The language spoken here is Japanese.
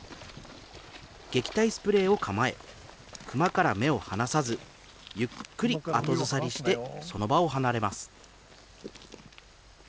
撃退スプレーを構え、クマから目を離さずゆっくり後ずさりして、その場を離れます。